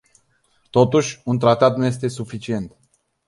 Totuși, un tratat nu este suficient.